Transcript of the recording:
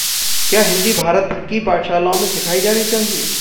क्या हिन्दी भारत भर की पाठशालाओं में सिखाई जानी चाहिए?